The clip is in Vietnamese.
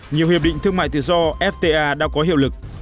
nhiều hiệp định thương mại tự do fta đã có hiệu lực